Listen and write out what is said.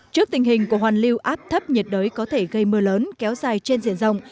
trước tình hình của hoàn lưu áp thấp nhiệt đới có thể gây mưa lớn kéo dài trên diện rộng